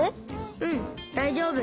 うんだいじょうぶ。